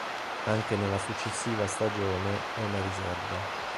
Anche nella successiva stagione è una riserva.